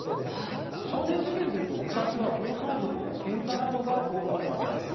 少年事件というと、昔は暴走族やけんかなどが多かったわけです。